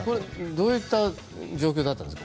どういった状況だったんですか？